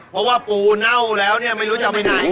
เพราะว่าปูเน่าแล้วเนี่ยไม่รู้จะเอาไปไหน